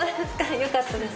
よかったです